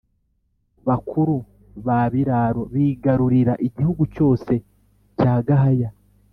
Bakuru ba Biraro bigarurira igihugu cyose cya Gahaya,